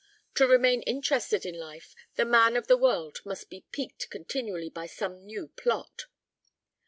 To remain interested in life the man of the world must be piqued continually by some new plot.